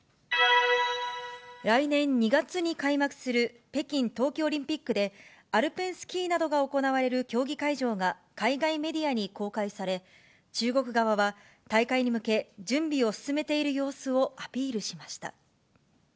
来年２月に開幕する、北京冬季オリンピックで、アルペンスキーなどが行われる競技会場が、海外メディアに公開され、中国側は大会に向け準備を進めている様子をアピールしました。